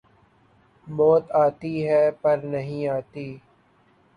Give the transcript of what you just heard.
موت آتی ہے پر نہیں آتی